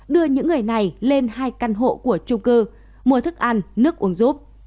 đưa những người này lên hai căn hộ của trung cư mua thức ăn nước uống giúp